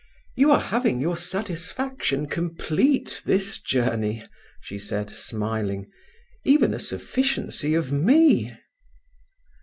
"You are having your satisfaction complete this journey," she said, smiling; "even a sufficiency of me."